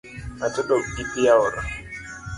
Atedo gi pii aora